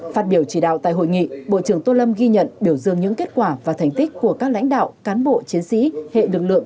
phát biểu chỉ đạo tại hội nghị bộ trưởng tô lâm ghi nhận biểu dương những kết quả và thành tích của các lãnh đạo cán bộ chiến sĩ hệ lực lượng